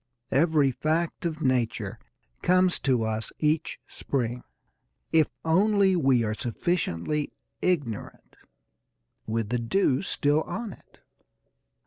Every fact of nature comes to us each spring, if only we are sufficiently ignorant, with the dew still on it.